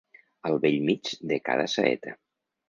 Al bell mig de cada saeta.